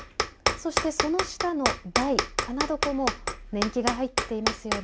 そしてその下の台金床も年季が入っていますよね。